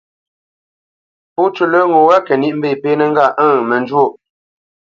Pó cú lə́ ŋo wá kə níʼ mbépénə̄ ngâʼ ə̂ŋ mə njwôʼ.